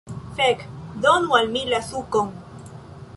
Fek' donu al mi la sukon